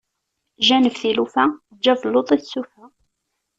Janeb tilufa eǧǧ abelluḍ i tsufa.